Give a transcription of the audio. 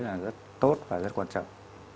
là rất tốt và rất quan trọng